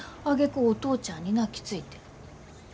あげくお父ちゃんに泣きついて。